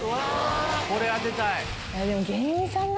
これ当てたい！